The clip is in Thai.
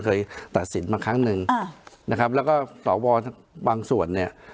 เคยตัดสินมาครั้งหนึ่งนะครับแล้วก็สวบางส่วนเนี่ย